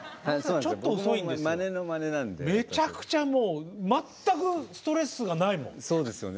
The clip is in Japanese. めちゃくちゃもう全くストレスがないもん。